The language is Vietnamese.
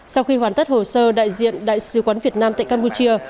sau khi hoàn tất hồ sơ đại diện đại sứ quán việt nam tại campuchia